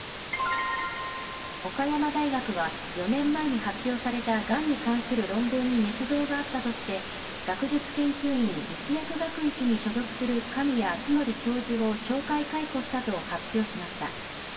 岡山大学は４年前に発表されたがんに関する論文にねつ造があったとして学術研究院医歯薬学域に所属する神谷厚範教授を懲戒解雇したと発表しました。